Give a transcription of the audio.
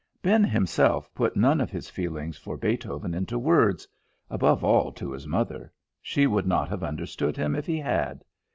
Ben himself put none of his feeling for Beethoven into words, above all to his mother; she would not have understood him if he had.